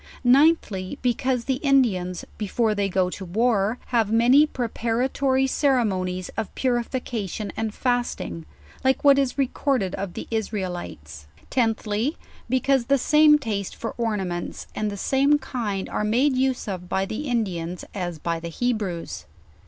Ninthly, because the Indians, before they goto war, have many preparatory ceremonies of purification and fasting, like what is recorded of the Israelites. Tenthly, because the Fame taste for ornaments, and the same kind are made use of by the Indians, as by the Hebrews.